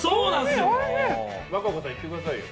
和歌子さん、いってくださいよ。